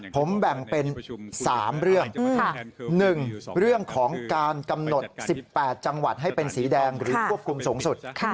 ผมแบ่งเป็น๓เรื่อง๑เรื่องของการกำหนด๑๘จังหวัดให้เป็นสีแดงหรือควบคุมสูงสุด